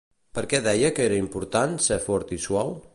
Per què deia que era important ser fort i suau?